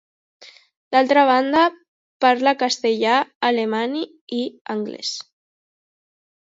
D'altra banda, parla castellà, alemany i anglès.